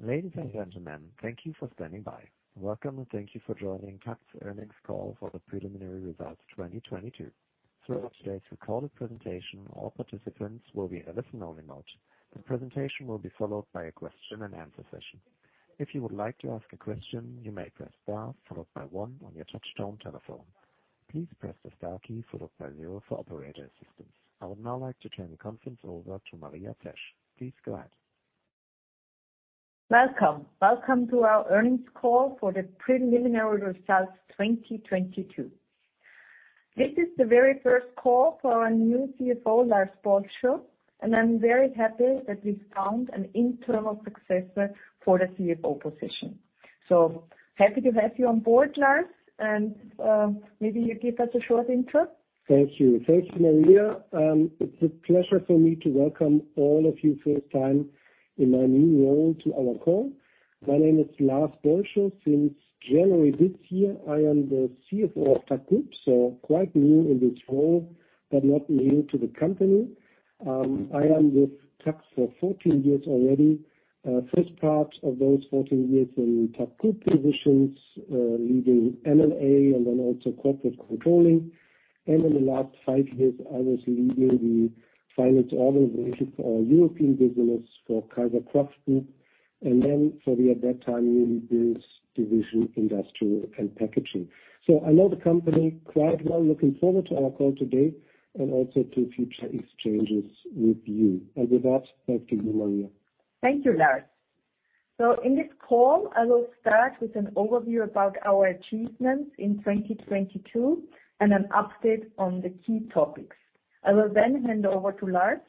Ladies and gentlemen, thank you for standing by. Welcome and thank you for joining TAKKT's earnings call for the preliminary results 2022. Throughout today's recorded presentation, all participants will be in a listen only mode. The presentation will be followed by a question-and-answer session. If you would like to ask a question, you may press star followed by one on your touchtone telephone. Please press the star key followed by zero for operator assistance. I would now like to turn the conference over to Maria Zesch. Please go ahead. Welcome. Welcome to our earnings call for the preliminary results 2022. This is the very first call for our new CFO, Lars Bolscho. I'm very happy that we found an internal successor for the CFO position. Happy to have you on board, Lars, and maybe you give us a short intro. Thank you. Thank you, Maria. It's a pleasure for me to welcome all of you first time in my new role to our call. My name is Lars Bolscho. Since January this year, I am the CFO of TAKKT, so quite new in this role, but not new to the company. I am with TAKKT for 14 years already. First part of those 14 years in TAKKT Group positions, leading M&A and then also corporate controlling. In the last 5 years, I was leading the finance organization for our European business for KAISER+KRAFT Group and then for the, at that time, newly built division, Industrial & Packaging. I know the company quite well, looking forward to our call today and also to future exchanges with you. With that, back to you, Maria. Thank you, Lars. In this call, I will start with an overview about our achievements in 2022 and an update on the key topics. I will then hand over to Lars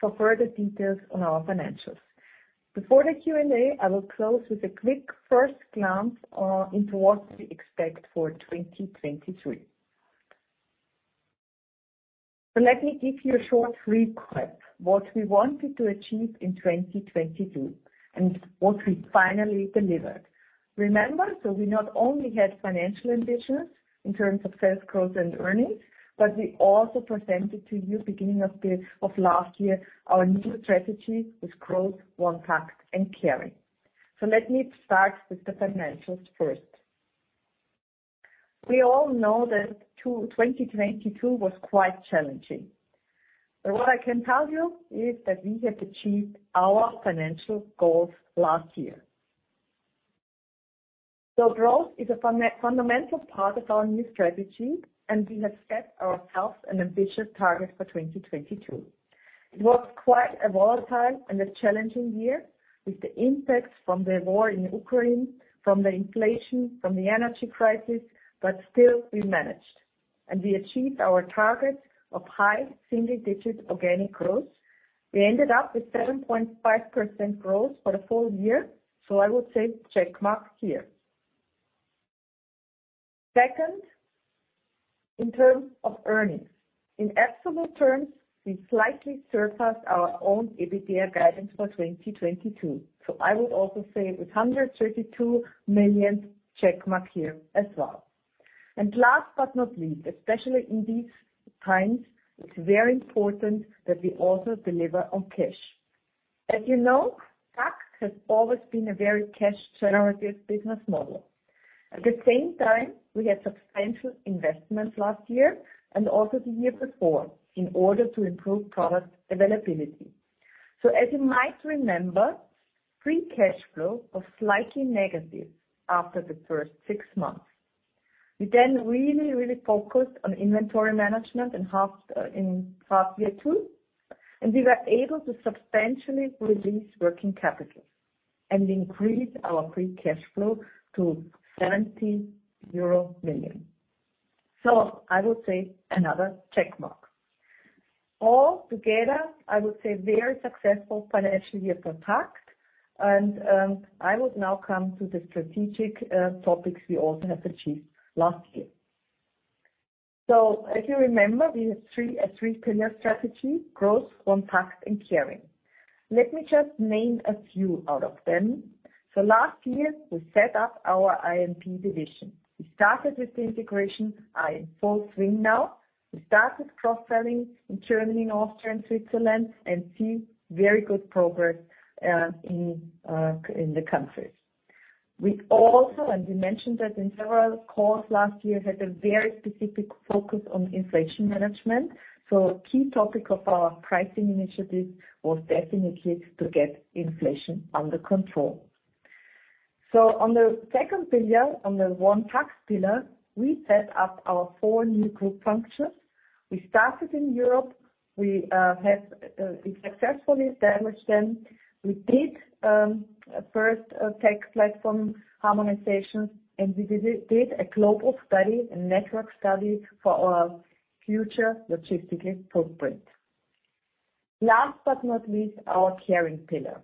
for further details on our financials. Before the Q&A, I will close with a quick first glance into what we expect for 2023. Let me give you a short recap what we wanted to achieve in 2022 and what we finally delivered. Remember, we not only had financial ambitions in terms of sales growth and earnings, but we also presented to you beginning of last year, our new strategy with growth, OneTAKKT, and caring. Let me start with the financials first. We all know that 2022 was quite challenging. What I can tell you is that we have achieved our financial goals last year. Growth is a fundamental part of our new strategy, and we have set ourselves an ambitious target for 2022. It was quite a volatile and a challenging year with the impacts from the war in Ukraine, from the inflation, from the energy crisis. Still we managed, and we achieved our target of high single digit organic growth. We ended up with 7.5% growth for the full-year, so I would say check mark here. Second, in terms of earnings. In absolute terms, we slightly surpassed our own EBITDA guidance for 2022. I would also say with 132 million, check mark here as well. Last but not least, especially in these times, it's very important that we also deliver on cash. As you know, TAKKT has always been a very cash generative business model. At the same time, we had substantial investments last year and also the year before in order to improve product availability. As you might remember, free cash flow was slightly negative after the first six months. We then really focused on inventory management in half year two, and we were able to substantially release working capital and increase our free cash flow to 70 million euro. I would say another check mark. All together, I would say very successful financial year for TAKKT. I would now come to the strategic topics we also have achieved last year. As you remember, we have a three-pillar strategy, growth, OneTAKKT, and caring. Let me just name a few out of them. Last year we set up our IMP division. We started with the integration in full swing now. We started cross-selling in Germany and Austria and Switzerland and see very good progress in the countries. We also, and we mentioned that in several calls last year, had a very specific focus on inflation management. A key topic of our pricing initiative was definitely to get inflation under control. On the second pillar, on the OneTAKKT pillar, we set up our four new group functions. We started in Europe. We have successfully established them. We did first tech platform harmonization, and we did a global study, a network study for our future logistical footprint. Last but not least, our caring pillar.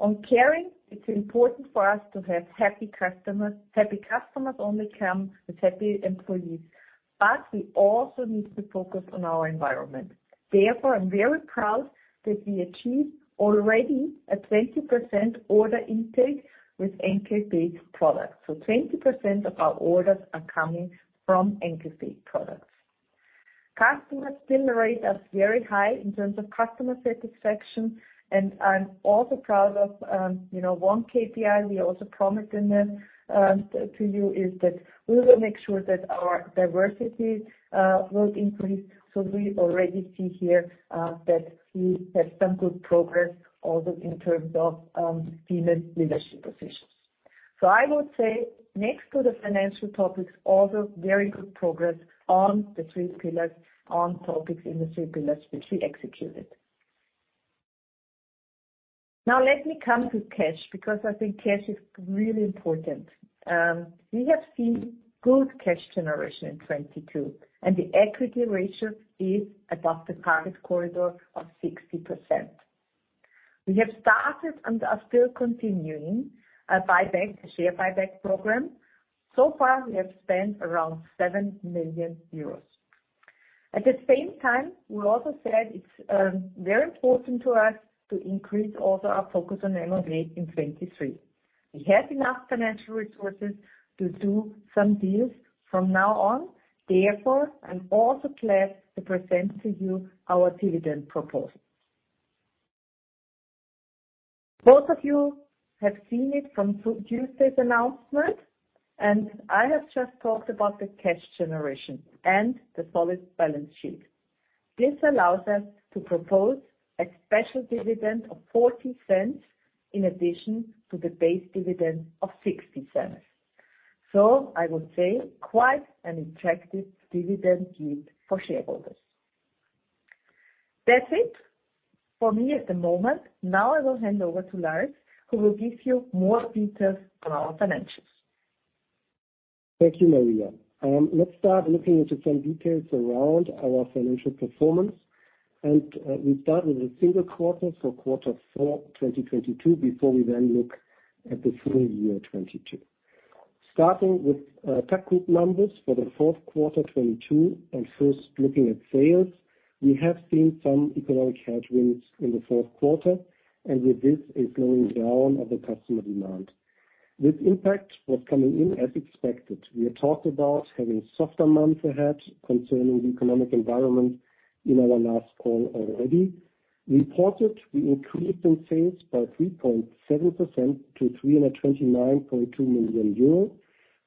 On caring, it's important for us to have happy customers. Happy customers only come with happy employees, but we also need to focus on our environment. Therefore, I'm very proud that we achieved already a 20% order intake with NK-based products. 20% of our orders are coming from NK-based products. Customers still rate us very high in terms of customer satisfaction. I'm also proud of, you know, one KPI we also promised in the to you is that we will make sure that our diversity will increase. We already see here that we have some good progress also in terms of female leadership positions. I would say next to the financial topics, also very good progress on the three pillars, on topics in the three pillars which we executed. Let me come to cash, because I think cash is really important. We have seen good cash generation in 2022, and the equity ratio is above the target corridor of 60%. We have started and are still continuing a buyback, a share buyback program. So far, we have spent around 7 million euros. At the same time, we also said it's very important to us to increase also our focus on M&A in 23. We have enough financial resources to do some deals from now on. Therefore, I'm also glad to present to you our dividend proposal. Both of you have seen it from Tuesday's announcement, and I have just talked about the cash generation and the solid balance sheet. This allows us to propose a special dividend of 0.40 in addition to the base dividend of 0.60. I would say quite an attractive dividend yield for shareholders. That's it for me at the moment. Now I will hand over to Lars, who will give you more details on our financials. Thank you, Maria. Let's start looking into some details around our financial performance. We start with a single quarter for quarter four, 2022, before we then look at the full-year, 2022. Starting with TAKKT Group numbers for the fourth quarter, 2022, and first looking at sales. We have seen some economic headwinds in the fourth quarter, and with this, a slowing down of the customer demand. This impact was coming in as expected. We had talked about having softer months ahead concerning the economic environment in our last call already. Reported, we increased in sales by 3.7% to 329.2 million euros.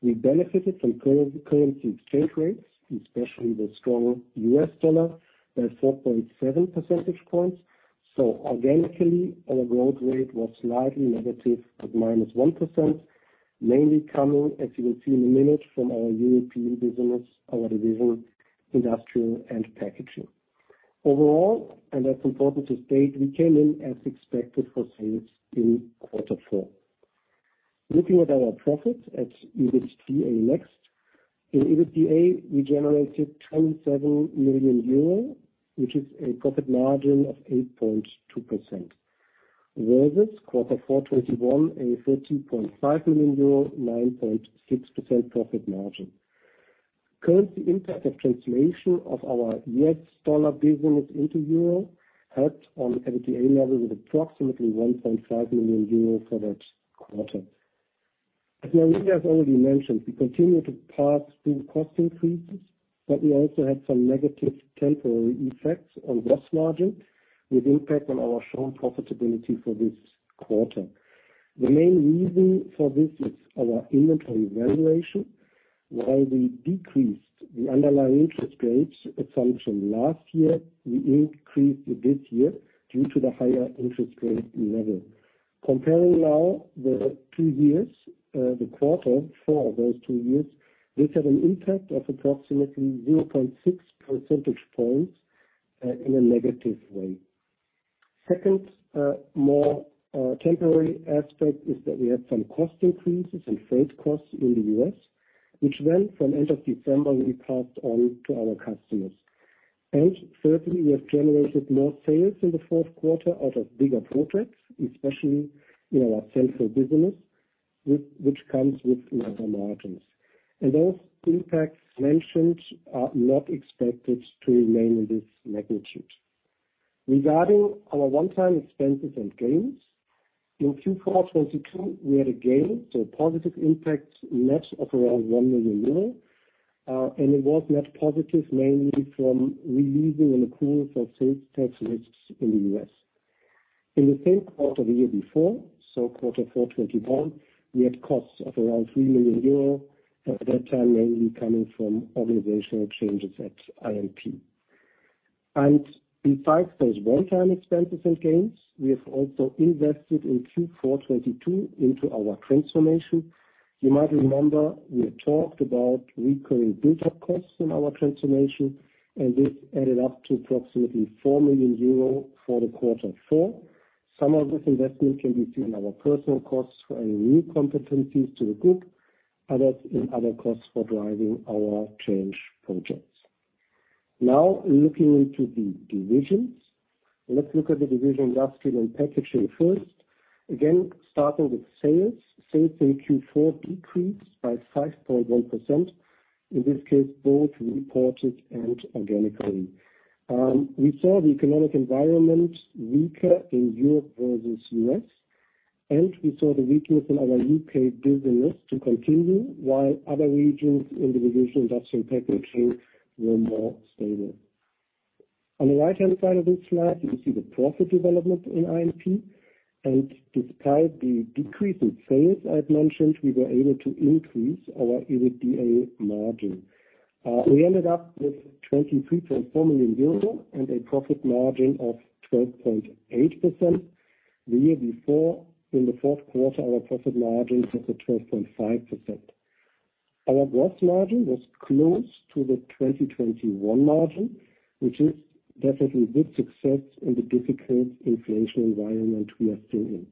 We benefited from currency exchange rates, especially the strong U.S. dollar, by 4.7 percentage points. Organically, our growth rate was slightly negative at -1%, mainly coming, as you will see in a minute, from our European business, our division, Industrial & Packaging. That's important to state, we came in as expected for sales in Q4. Looking at our profit at EBITDA next. In EBITDA, we generated 27 million euros, which is a profit margin of 8.2%. Versus Q4 2021, a EUR 13.5 million, 9.6% profit margin. Currency impact of translation of our USD business into EUR helped on the EBITDA level with approximately 1.5 million euro for that quarter. As Maria Zesch has already mentioned, we continue to pass through cost increases, but we also had some negative temporary effects on gross margin, with impact on our shown profitability for this quarter. The main reason for this is our inventory valuation. While we decreased the underlying interest rates assumption last year, we increased it this year due to the higher interest rate level. Comparing now the two years, the quarter for those two years, this had an impact of approximately 0.6 percentage points in a negative way. Second, more temporary aspect is that we had some cost increases and freight costs in the U.S., which then from end of December, we passed on to our customers. Thirdly, we have generated more sales in the fourth quarter out of bigger projects, especially in our Central business, which comes with lower margins. Those impacts mentioned are not expected to remain in this magnitude. Regarding our one-time expenses and gains. In Q4 2022, we had a gain, so a positive impact net of around 1 million euro, and it was net positive mainly from releasing an accrual for sales tax risks in the U.S. In the same quarter the year before, so Q4 2021, we had costs of around 3 million euros, at that time, mainly coming from organizational changes at IMP. Besides those one-time expenses and gains, we have also invested in Q4 2022 into our transformation. You might remember we talked about recurring build-up costs in our transformation, and this added up to approximately 4 million euro for the Q4. Some of this investment can be seen in our personal costs for adding new competencies to the group, others in other costs for driving our change projects. Now looking into the divisions. Let's look at the division Industrial & Packaging first. Starting with sales. Sales in Q4 decreased by 5.1%, in this case, both reported and organically. We saw the economic environment weaker in Europe versus U.S. We saw the weakness in our U.K. business to continue, while other regions in the division Industrial & Packaging were more stable. On the right-hand side of this slide, you can see the profit development in IMP. Despite the decrease in sales I had mentioned, we were able to increase our EBITDA margin. We ended up with 23.4 million euro and a profit margin of 12.8%. The year before, in Q4, our profit margin was at 12.5%. Our gross margin was close to the 2021 margin, which is definitely good success in the difficult inflation environment we are still in.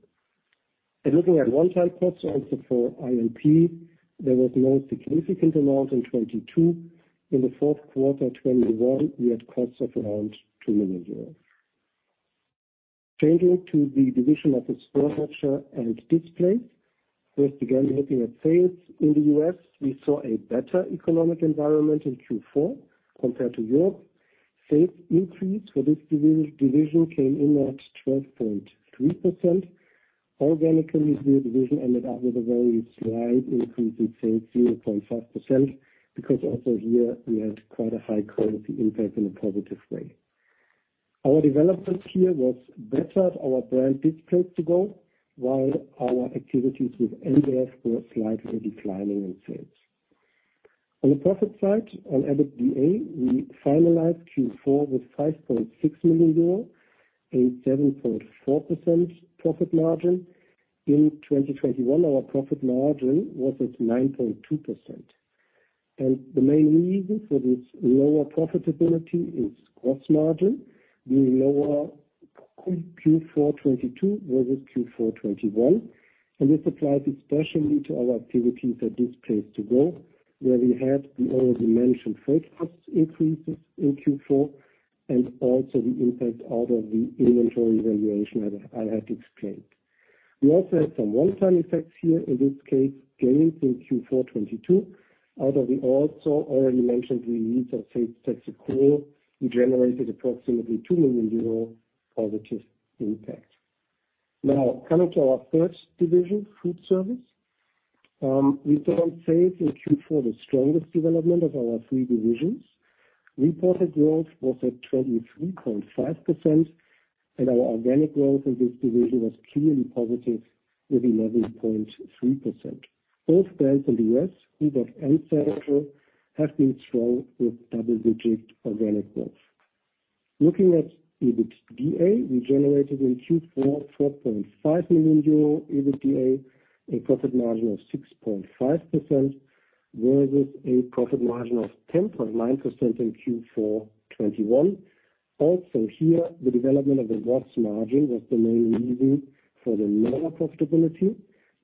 Looking at one-time costs also for IMP, there was no significant amount in 2022. In the fourth quarter 2021, we had costs of around 2 million euros. Changing to the division Office Furniture & Displays. Again, looking at sales in the U.S., we saw a better economic environment in Q4 compared to Europe. Sales increase for this division came in at 12.3%. Organically, the division ended up with a very slight increase in sales, 0.5%, because also here we had quite a high currency impact in a positive way. Our development here was better at our brand Displays2go, while our activities with NBF were slightly declining in sales. EBITDA, we finalized Q4 with 5.6 million euro, a 7.4% profit margin. In 2021, our profit margin was at 9.2%. The main reason for this lower profitability is gross margin being lower in Q4 2022 versus Q4 2021. This applies especially to our activities at Displays2go, where we had the already mentioned freight cost increases in Q4 and also the impact out of the inventory valuation that I had explained. We also had some one-time effects here, in this case, gains in Q4 2022, out of the also already mentioned release of sales tax accrual. We generated approximately 2 million euro positive impact. Now, coming to our first division, FoodService. We saw in sales in Q4 the strongest development of our three divisions. Reported growth was at 23.5%, and our organic growth in this division was clearly positive with 11.3%. Both brands in the U.S., Hubert and Sanrio, have been strong with double-digit organic growth. Looking at EBITDA, we generated in Q4 4.5 million euro EBITDA, a profit margin of 6.5%, versus a profit margin of 10.9% in Q4 2021. Here, the development of the gross margin was the main reason for the lower profitability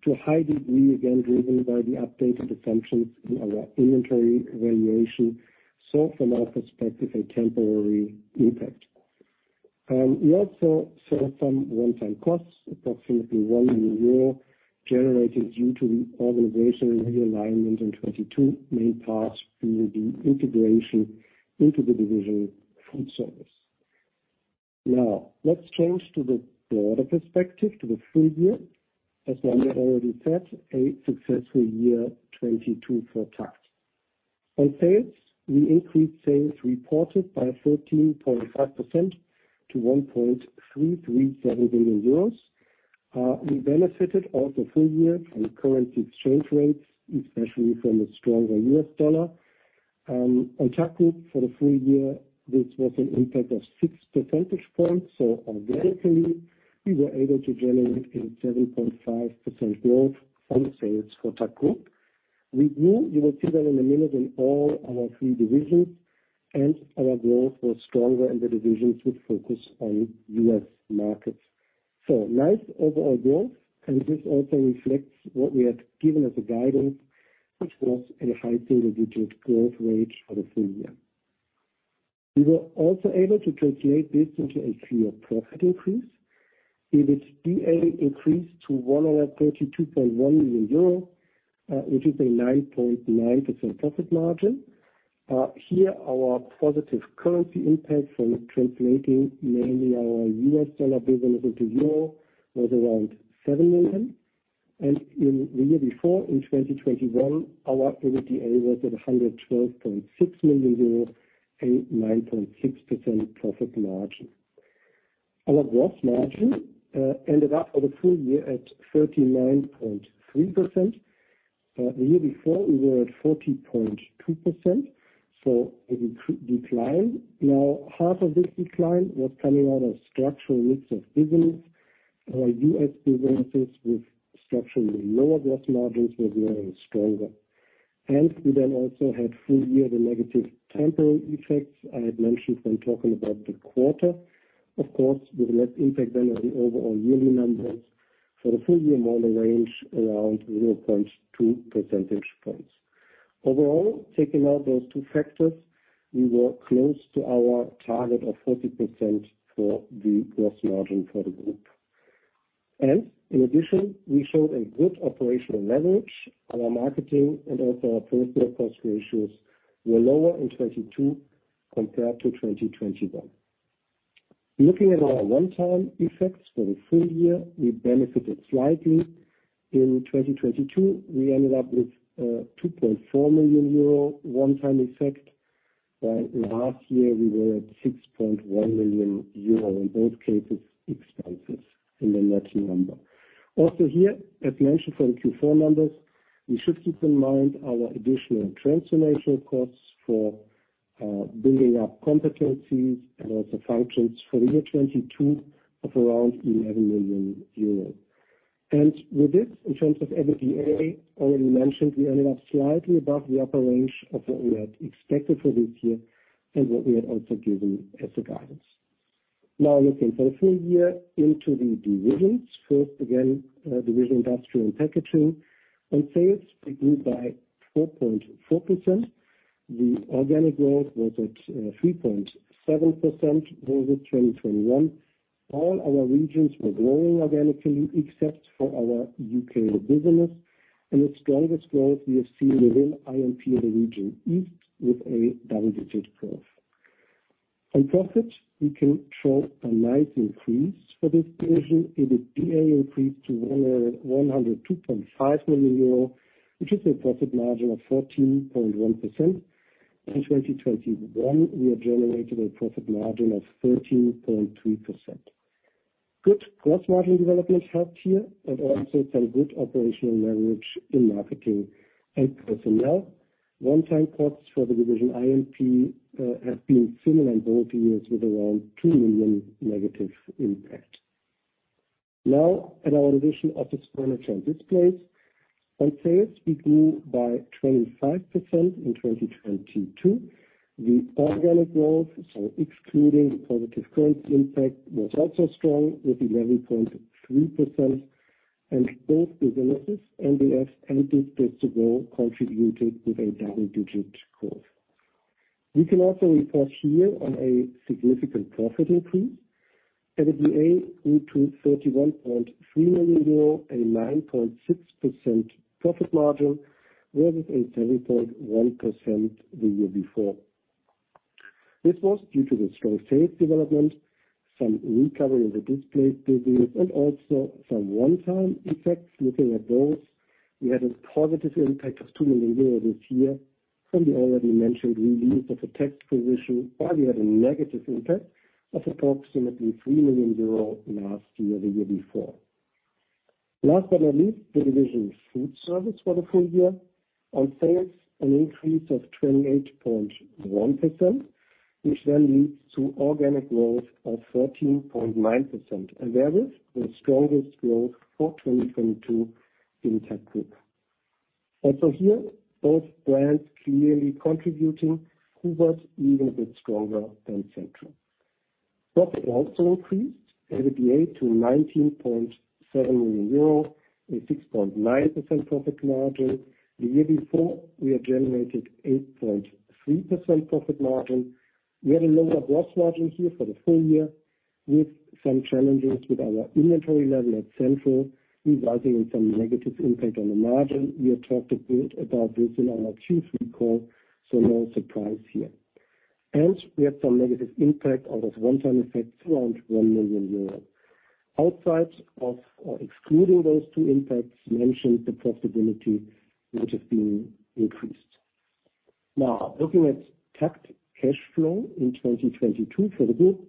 to a high degree, again, driven by the updated assumptions in our inventory valuation, so from our perspective, a temporary impact. We also saw some one-time costs, approximately 1 million euro, generated due to the organizational realignment in 2022, main part through the integration into the division FoodService. Let's change to the broader perspective, to the full-year. As Maria already said, a successful year 2022 for TAKKT. On sales, we increased sales reported by 13.5% to 1.337 billion euros. We benefited all the full-year from currency exchange rates, especially from the stronger U.S. dollar. On TAKKT Group for the full-year, this was an impact of six percentage points. Organically, we were able to generate a 7.5% growth on sales for TAKKT Group. We grew, you will see that in a minute, in all our three divisions, and our growth was stronger in the divisions with focus on U.S. markets. Nice overall growth, and this also reflects what we had given as a guidance, which was a high single-digit growth rate for the full-year. We were also able to translate this into a clear profit increase. EBITDA increased to 132.1 million euros, which is a 9.9% profit margin. Here our positive currency impact from translating mainly our U.S. dollar business into EUR was around 7 million. In the year before, in 2021, our EBITDA was at 112.6 million euros, a 9.6% profit margin. Our gross margin ended up for the full-year at 39.3%. The year before, we were at 40.2%, a decline. Now, half of this decline was coming out of structural mix of business. Our U.S. businesses with structurally lower gross margins were growing stronger. We also had full-year the negative temporal effects I had mentioned when talking about the quarter. Of course, with less impact than on the overall yearly numbers. For the full-year margin range around 0.2 percentage points. Overall, taking out those two factors, we were close to our target of 40% for the gross margin for the group. In addition, we showed a good operational leverage. Our marketing and also our personal cost ratios were lower in 22 compared to 2021. Looking at our one time effects for the full-year, we benefited slightly. In 2022, we ended up with 2.4 million euro one time effect. While in last year we were at 6.1 million euro. In both cases, expenses in the net number. Here, as mentioned for the Q4 numbers, we should keep in mind our additional transformation costs for building up competencies and also functions for the year 22 of around 11 million euros. With this, in terms of EBITDA already mentioned, we ended up slightly above the upper range of what we had expected for this year and what we had also given as a guidance. Now looking for the full-year into the divisions. First, again, division Industrial & Packaging. On sales, we grew by 4.4%. The organic growth was at 3.7% versus 2021. All our regions were growing organically except for our U.K. business. The strongest growth we have seen within IMP in the region East with a double-digit growth. On profit, we can show a nice increase for this division. EBITA increased to 102.5 million euro, which is a profit margin of 14.1%. In 2021, we had generated a profit margin of 13.3%. Good cross-margin development helped here, also some good operational leverage in marketing and personnel. One-time costs for the division IMP have been similar in both years with around 2 million negative impact. At our division Office Products and Displays. On sales, we grew by 25% in 2022. The organic growth, so excluding the positive currency impact, was also strong with 11.3%. Both businesses, NDS and Display Solutions, contributed with a double-digit growth. We can also report here on a significant profit increase. EBITA grew to 31.3 million euro, a 9.6% profit margin, versus a 7.1% the year before. This was due to the strong sales development, some recovery in the display business, and also some one-time effects. Looking at those, we had a positive impact of 2 million euros this year from the already mentioned release of a tax provision. We had a negative impact of approximately 3 million euros last year, the year before. Last but not least, the division FoodService for the full-year. Sales, an increase of 28.1%, which then leads to organic growth of 13.9%. That is the strongest growth for 2022 in TAKKT Group. Here, both brands clearly contributing. Hubert even a bit stronger than Central. Profit also increased, EBITA to 19.7 million euros, a 6.9% profit margin. The year before, we had generated 8.3% profit margin. We had a lower gross margin here for the full-year with some challenges with our inventory level at Central, resulting in some negative impact on the margin. We had talked a bit about this in our Q3 call, so no surprise here. We have some negative impact on those one-time effects, around 1 million euros. Outside of or excluding those two impacts mentioned, the profitability would have been increased. Now looking at TAKKT cash flow in 2022 for the group.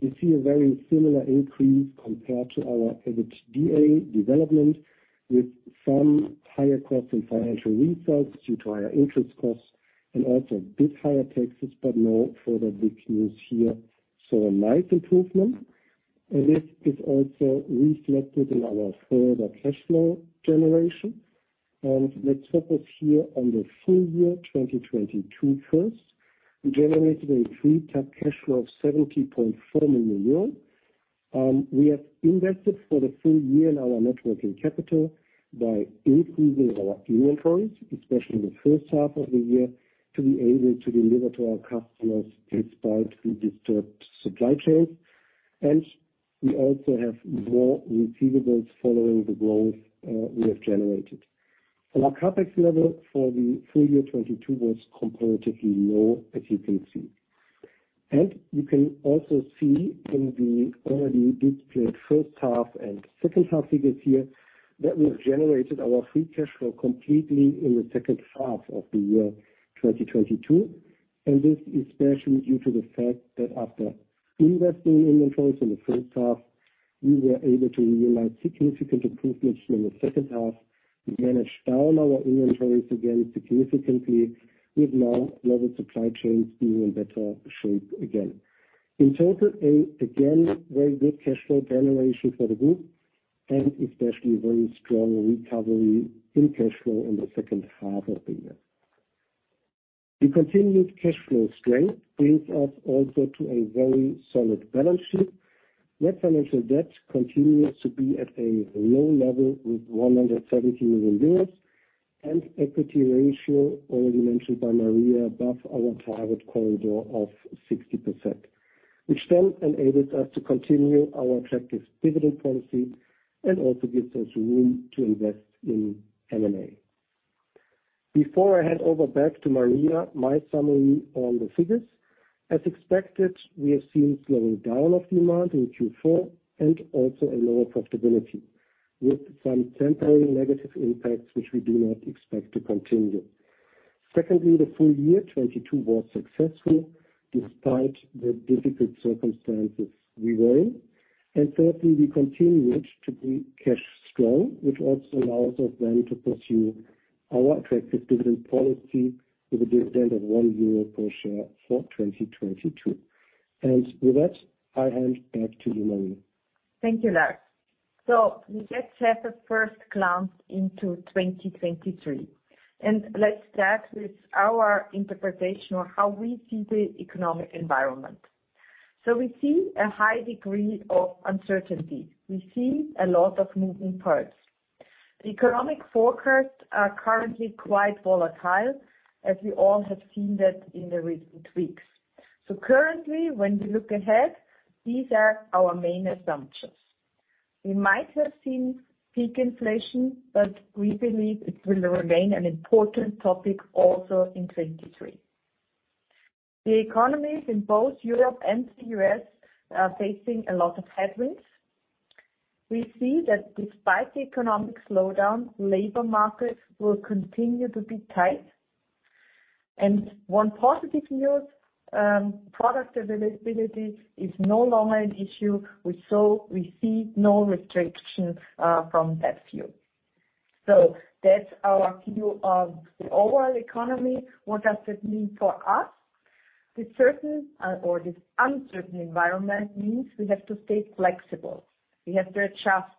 You see a very similar increase compared to our EBITDA development, with some higher costs and financial results due to higher interest costs and also a bit higher taxes, but no further big news here. A nice improvement. This is also reflected in our further cash flow generation. Let's focus here on the full-year, 2022 first. We generated a free TAKKT cash flow of 70.4 million euros. We have invested for the full-year in our net working capital by increasing our inventories, especially in the first half of the year, to be able to deliver to our customers despite the disturbed supply chains. We also have more receivables following the growth we have generated. Our CapEx level for the full-year 2022 was comparatively low, as you can see. You can also see in the already displayed first half and second half figures here that we have generated our free cash flow completely in the second half of the year 2022. This especially due to the fact that after investing in inventories in the first half, we were able to realize significant improvements in the second half. We managed down our inventories again significantly, with now global supply chains being in better shape again. In total, again, very good cash flow generation for the group, and especially very strong recovery in cash flow in the second half of the year. The continued cash flow strength brings us also to a very solid balance sheet. Net financial debt continues to be at a low level with 170 million euros. Equity ratio already mentioned by Maria above our target corridor of 60%, which then enables us to continue our attractive dividend policy and also gives us room to invest in M&A. Before I hand over back to Maria, my summary on the figures. As expected, we have seen slowing down of demand in Q4 and also a lower profitability with some temporary negative impacts, which we do not expect to continue. Secondly, the full-year 2022 was successful despite the difficult circumstances we were in. Thirdly, we continued to be cash strong, which also allows us then to pursue our attractive dividend policy with a dividend of 1 euro per share for 2022. With that, I hand back to you, Maria. Thank you, Lars. Let's have a first glance into 2023. Let's start with our interpretation on how we see the economic environment. We see a high degree of uncertainty. We see a lot of moving parts. The economic forecast are currently quite volatile, as we all have seen that in the recent weeks. Currently, when we look ahead, these are our main assumptions. We might have seen peak inflation, but we believe it will remain an important topic also in 2023. The economies in both Europe and the U.S. are facing a lot of headwinds. We see that despite the economic slowdown, labor markets will continue to be tight. One positive news, product availability is no longer an issue. We see no restriction from that view. That's our view of the overall economy. What does that mean for us? This uncertain environment means we have to stay flexible. We have to adjust.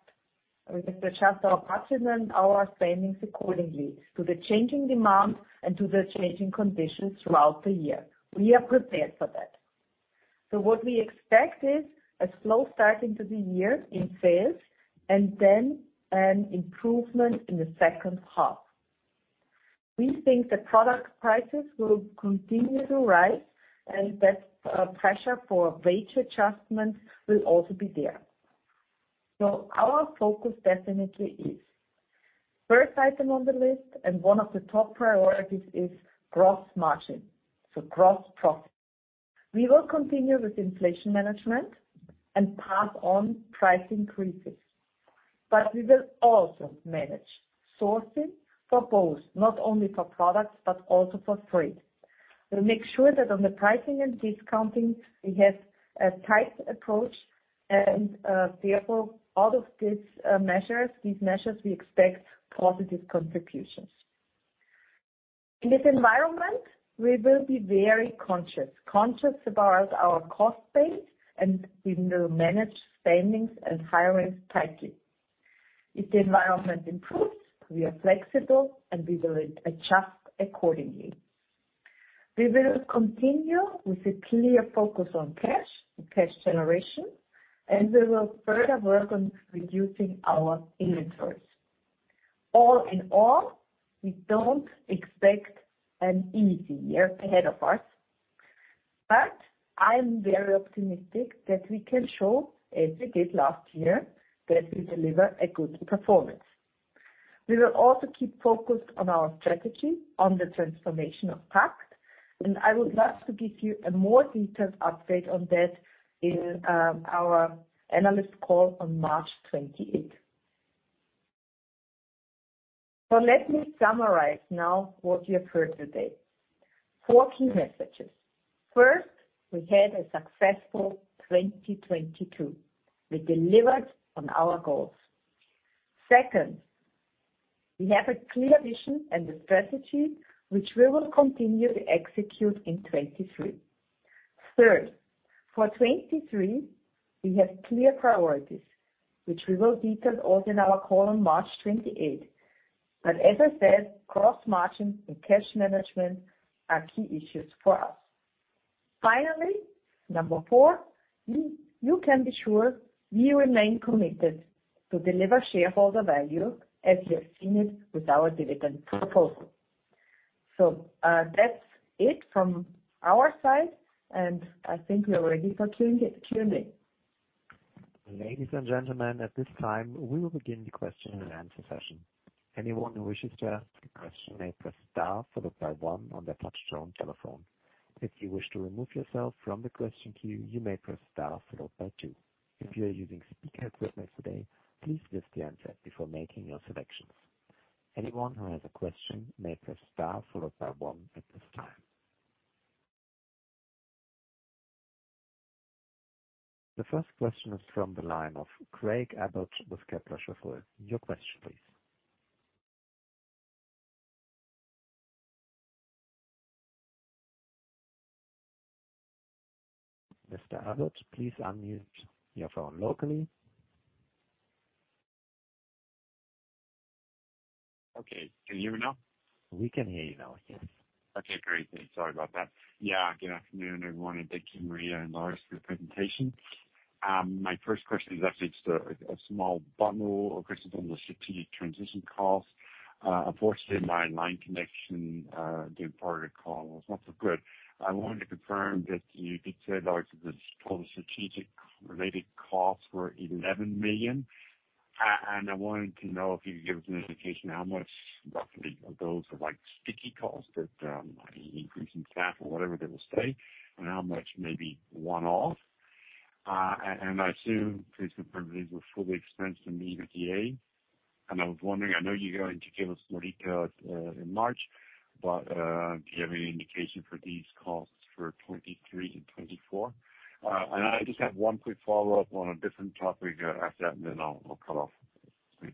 We have to adjust our pricing and our spendings accordingly to the changing demand and to the changing conditions throughout the year. We are prepared for that. What we expect is a slow start into the year in sales and then an improvement in the second half. We think the product prices will continue to rise and that pressure for wage adjustments will also be there. Our focus definitely is first item on the list, and one of the top priorities is gross margin, so gross profit. We will continue with inflation management and pass on price increases, but we will also manage sourcing for both, not only for products but also for freight. We'll make sure that on the pricing and discounting, we have a tight approach and, therefore, these measures we expect positive contributions. In this environment, we will be very conscious about our cost base, and we will manage spendings and hiring tightly. If the environment improves, we are flexible, and we will adjust accordingly. We will continue with a clear focus on cash generation, and we will further work on reducing our inventory. All in all, we don't expect an easy year ahead of us, but I'm very optimistic that we can show, as we did last year, that we deliver a good performance. We will also keep focused on our strategy on the transformation of OneTAKKT. I would love to give you a more detailed update on that in our analyst call on March 28th. Let me summarize now what you have heard today. Four key messages. First, we had a successful 2022. We delivered on our goals. Second, we have a clear vision and a strategy which we will continue to execute in 2023. Third, for 2023, we have clear priorities, which we will detail also in our call on March 28th. As I said, cross-margin and cash management are key issues for us. Finally, number four, you can be sure we remain committed to deliver shareholder value as you have seen it with our dividend proposal. That's it from our side, and I think we are ready for Q&A. Ladies and gentlemen, at this time, we will begin the question-and-answer session. Anyone who wishes to ask a question may press star followed by one on their touch-tone telephone. If you wish to remove yourself from the question queue, you may press star followed by two. If you are using speaker equipment today, please lift the handset before making your selections. Anyone who has a question may press star followed by one at this time. The first question is from the line of Craig Abbott with Kepler Cheuvreux. Your question, please. Mr. Abbott, please unmute your phone locally. Okay. Can you hear me now? We can hear you now. Yes. Okay, great. Sorry about that. Good afternoon, everyone, and thank you, Maria Zesch and Lars Bolscho, for your presentation. My first question is actually just a small bundle of questions on the strategic transition costs. Unfortunately, my line connection during part of the call was not so good. I wanted to confirm that you did say, Lars Bolscho, that the total strategic related costs were 11 million. I wanted to know if you could give us an indication how much roughly of those are like sticky costs that increasing staff or whatever they will stay, and how much maybe one-off. I assume these were fully expensed in the EBITDA. I was wondering, I know you're going to give us more detail in March, but do you have any indication for these costs for 2023 and 2024? I just have one quick follow-up on a different topic after that, and then I'll cut off. Please.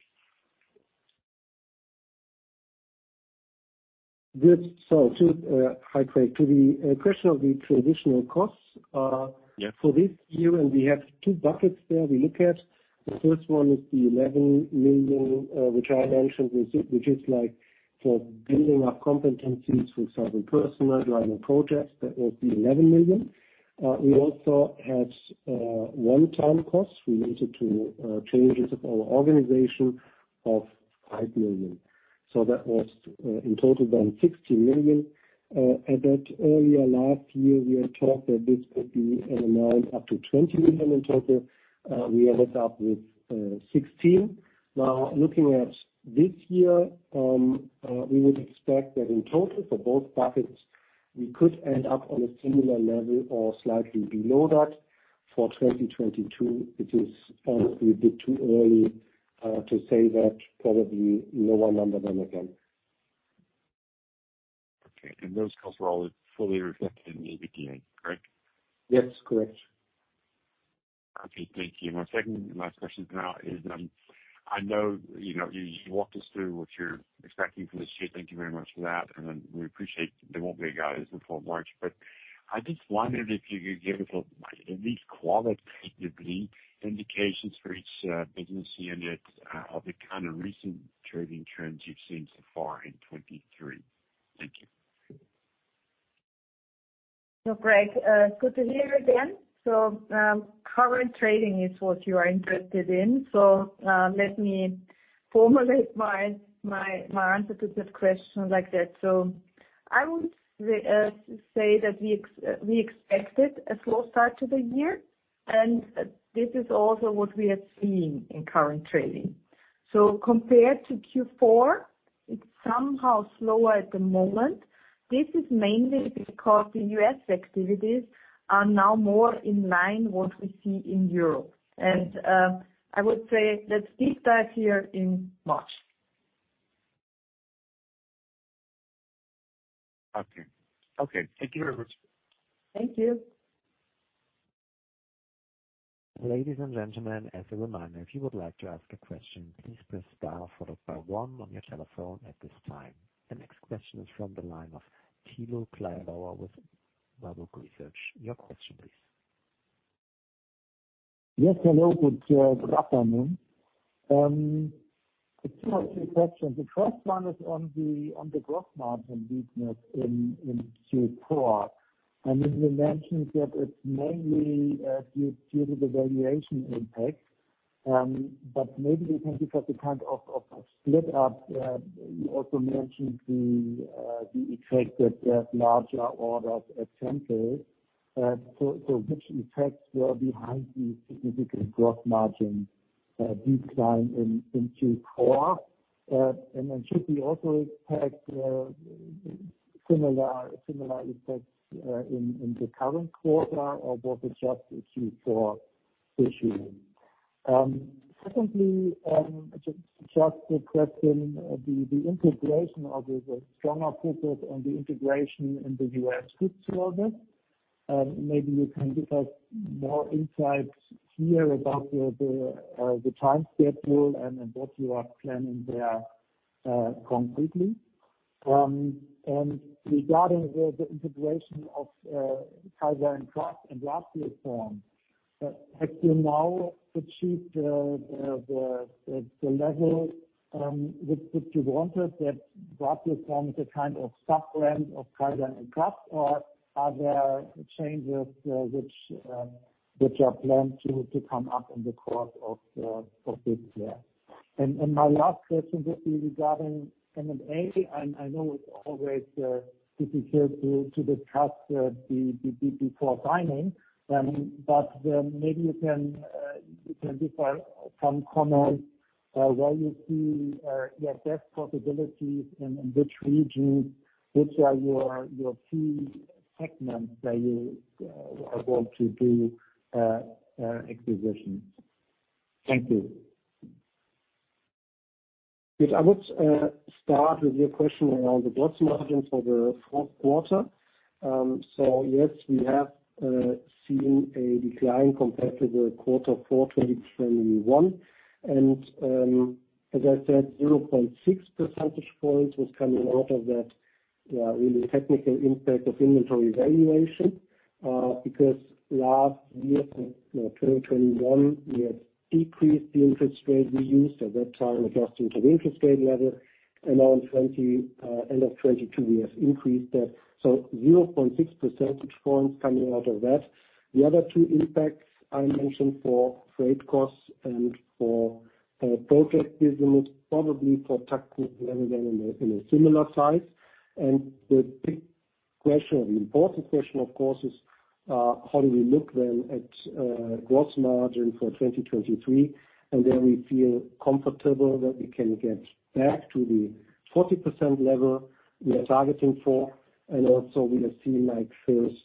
Good. To, hi, Craig. To the question of the traditional costs. Yeah. For this year. We have two buckets there we look at. The first one is the 11 million, which I mentioned, which is like for building up competencies with certain personnel driving projects. That would be 11 million. We also had one-time costs related to changes of our organization of 5 million. That was in total then 16 million. At that earlier last year, we had talked that this could be an amount up to 20 million in total. We ended up with 16 million. Looking at this year, we would expect that in total for both buckets, we could end up on a similar level or slightly below that. For 2022, it is a bit too early to say that probably lower number than again. Okay. Those costs are all fully reflected in EBITDA, correct? That's correct. Okay. Thank you. My second and last question now is, I know, you know, you walked us through what you're expecting for this year. Thank you very much for that, and we appreciate there won't be a guide before March. I just wondered if you could give us a at least qualitatively indications for each business unit of the kind of recent trading trends you've seen so far in 2023. Thank you. Craig, good to hear you again. Current trading is what you are interested in. Let me formulate my answer to that question like that. I would say that we expected a slow start to the year, and this is also what we are seeing in current trading. Compared to Q4, it's somehow slower at the moment. This is mainly because the U.S. activities are now more in line what we see in Europe. I would say let's deep dive here in March. Okay. Okay. Thank you very much. Thank you. Ladies and gentlemen, as a reminder, if you would like to ask a question, please press star followed by one on your telephone at this time. The next question is from the line of Thilo Kleibauer with Warburg Research. Your question please. Yes, hello. Good, good afternoon. Two or three questions. The first one is on the gross margin weakness in Q4. I mean, you mentioned that it's mainly due to the valuation impact, maybe you can give us a kind of split up. You also mentioned the effect that the larger orders at Temple. Which effects were behind the significant gross margin decline in Q4? Should we also expect similar effects in the current quarter, or was it just a Q4 issue? Secondly, just a question, the integration of the stronger focus and the integration in the U.S. could serve it. Maybe you can give us more insights here about the time schedule and what you are planning there completely. Regarding the integration of KAISER+KRAFT and ratioform, have you now achieved the level which you wanted that ratioform is a kind of sub-brand of KAISER+KRAFT, or are there changes which are planned to come up in the course of this year? My last question would be regarding M&A. I know it's always difficult to discuss the before timing, but maybe you can give us some comments where you see, yeah, best possibilities in which regions, which are your key segments that you are going to do acquisitions? Thank you. Yes. I would start with your question around the gross margin for the fourth quarter. Yes, we have seen a decline compared to the quarter four 2021. As I said, 0.6 percentage points was coming out of that really technical impact of inventory valuation, because last year, you know, 2021, we had decreased the interest rate we used at that time, adjusting to the interest rate level. Now in end of 2022 we have increased that. 0.6 percentage points coming out of that. The other two impacts I mentioned for freight costs and for project business, probably for tactical level than in a similar size. The big question, the important question, of course, is how do we look then at gross margin for 2023? There we feel comfortable that we can get back to the 40% level we are targeting for, and also we are seeing like first,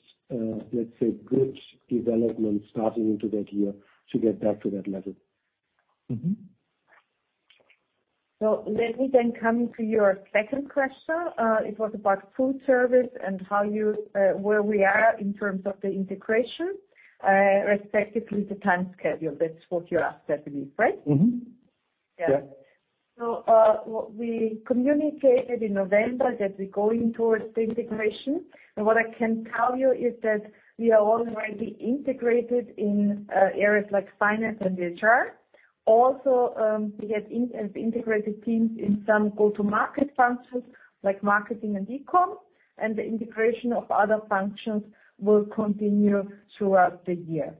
let's say, good development starting into that year to get back to that level. Mm-hmm. Let me then come to your second question. It was about FoodService and how you, where we are in terms of the integration, respectively the time schedule. That's what you asked, I believe, right? Mm-hmm. Yeah. What we communicated in November that we're going towards the integration. What I can tell you is that we are already integrated in areas like finance and HR. Also, we have integrated teams in some go-to market functions like marketing and e-com, and the integration of other functions will continue throughout the year.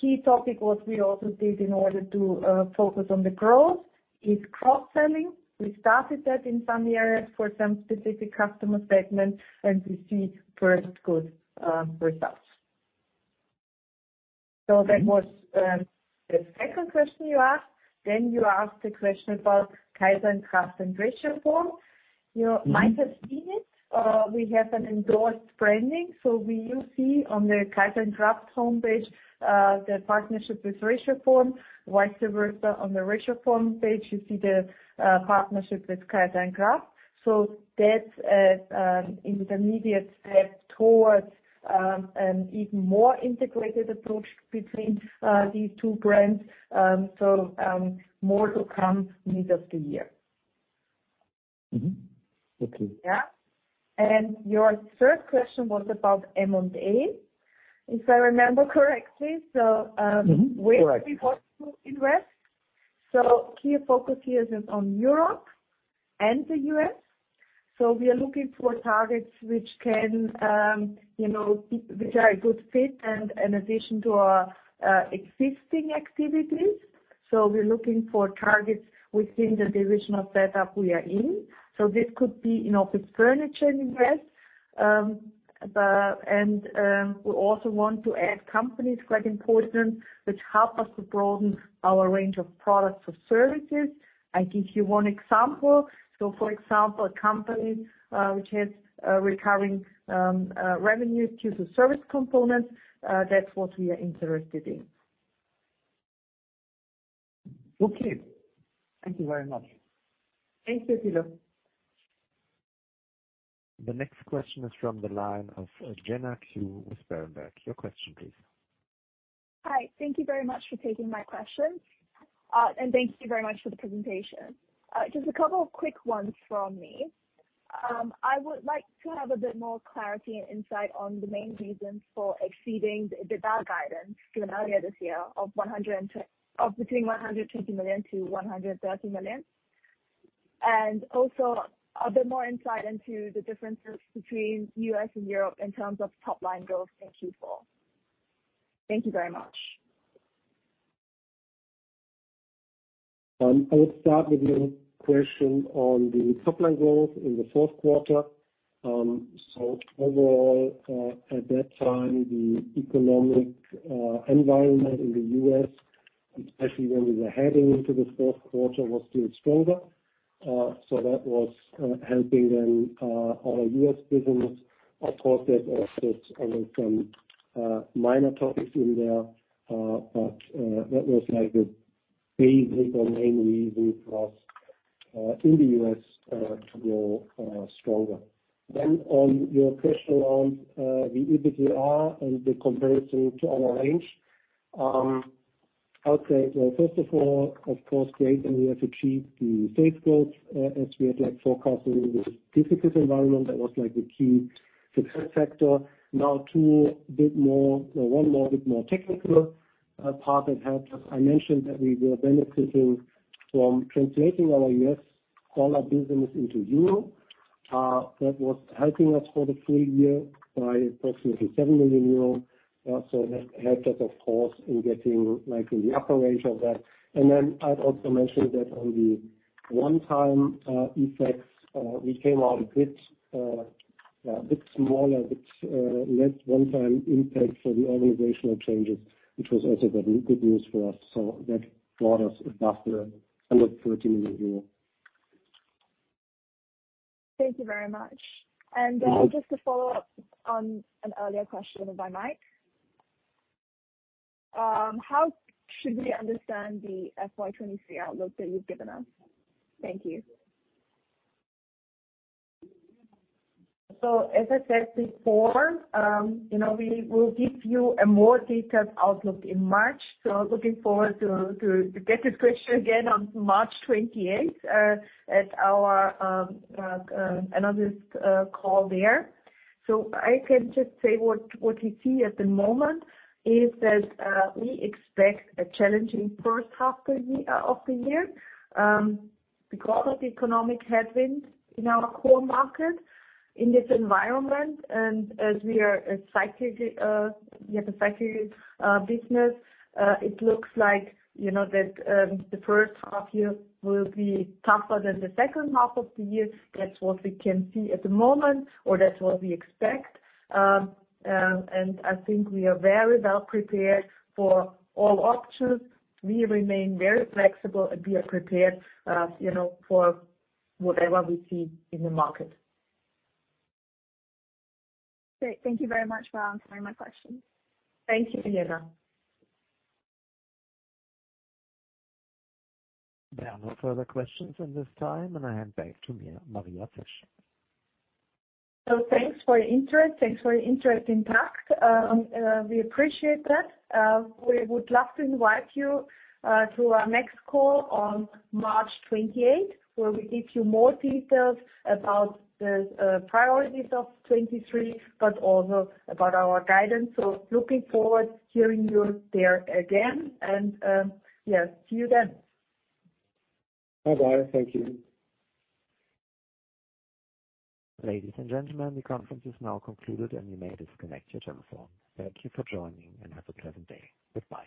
Key topic what we also did in order to focus on the growth is cross-selling. We started that in some areas for some specific customer segments, and we see very good results. That was the second question you asked. You asked a question about KAISER+KRAFT and ratioform. You might have seen it. We have an endorsed branding. We will see on the KAISER+KRAFT homepage, the partnership with ratioform. Vice versa on the ratioform page, you see the partnership with KAISER+KRAFT. That's a intermediate step towards an even more integrated approach between these two brands. More to come mid of the year. Mm-hmm. Okay. Yeah. Your third question was about M&A, if I remember correctly. Mm-hmm. Correct. Where do we want to invest? Key focus here is on Europe and the U.S. We are looking for targets which can, you know, keep the very good fit and an addition to our existing activities. We're looking for targets within the divisional setup we are in. This could be in Office Furniture invest. We also want to add companies, quite important, which help us to broaden our range of products or services. I give you one example. For example, a company which has recurring revenues due to service components, that's what we are interested in. Okay. Thank you very much. Thank you, Kleibauer. The next question is from the line of Jie Xu with Berenberg. Your question please. Hi. Thank you very much for taking my question. and thank you very much for the presentation. just a couple of quick ones from me. I would like to have a bit more clarity and insight on the main reasons for exceeding the EBITDA guidance given earlier this year of between 120 million-130 million. Also a bit more insight into the differences between U.S. And Europe in terms of top line growth in Q4. Thank you very much. I would start with your question on the top line growth in the fourth quarter. Overall, at that time, the economic environment in the U.S., especially when we were heading into this fourth quarter, was still stronger. So that was helping them our U.S. business. Of course, there are also some minor topics in there, but that was like the big or main reason for us in the U.S. to grow stronger. On your question on the EBITDA and the comparison to our range, I would say, well, first of all, of course, great, and we have achieved the safe growth as we had, like, forecasted in this difficult environment. That was like the key success factor. Now to one more technical part that helped us. I mentioned that we were benefiting from translating our U.S. dollar business into euro. That was helping us for the full-year by approximately 7 million euros. That helped us of course in getting like in the upper range of that. I'd also mention that on the one time effects, we came out a bit smaller, a bit less one time impact for the organizational changes, which was also good news for us. That brought us above the under EUR 13 million. Thank you very much. Just to follow up on an earlier question by Mike, how should we understand the FY 23 outlook that you've given us? Thank you. As I said before, you know, we will give you a more detailed outlook in March. Looking forward to get this question again on March 28th at our another call there. I can just say what we see at the moment is that we expect a challenging first half of the year because of the economic headwinds in our core market, in this environment. As we are a cyclic, we have a cyclic business, it looks like, you know, that the first half year will be tougher than the second half of the year. That's what we can see at the moment, or that's what we expect. I think we are very well prepared for all options. We remain very flexible, and we are prepared, you know, for whatever we see in the market. Great. Thank you very much for answering my questions. Thank you, Jie. There are no further questions at this time, and I hand back to Maria Zesch. Thanks for your interest. Thanks for your interest in TAKKT. We appreciate that. We would love to invite you to our next call on March 28th, where we give you more details about the priorities of 2023, but also about our guidance. Looking forward hearing you there again and, yeah, see you then. Bye-bye. Thank you. Ladies and gentlemen, the conference is now concluded, and you may disconnect your telephone. Thank you for joining, and have a pleasant day. Goodbye.